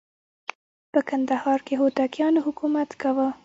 په کندهار کې هوتکیانو حکومت کاوه.